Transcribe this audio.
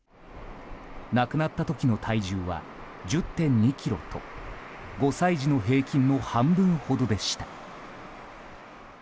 亡くなった時の体重は１０．２ｋｇと５歳児の平均の半分ほどでした。